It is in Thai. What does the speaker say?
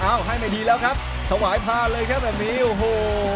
ให้ไม่ดีแล้วครับถวายผ่านเลยครับแบบนี้โอ้โห